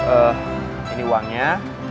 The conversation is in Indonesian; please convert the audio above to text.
eh ini uangnya